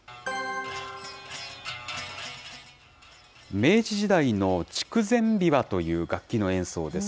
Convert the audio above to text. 明治時代の筑前琵琶という楽器の演奏です。